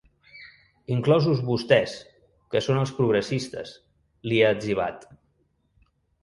Inclosos vostès, que són els progressistes, li ha etzibat.